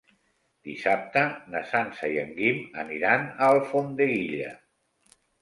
Dissabte na Sança i en Guim aniran a Alfondeguilla.